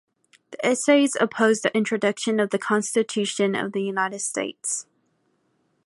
The essays opposed the introduction of the Constitution of the United States.